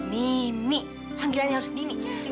nini hanggilannya harus nini